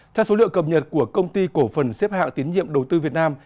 theo số liệu cập nhật của công ty cổ phần xếp hạng tiến nhiệm đầu tư việt nam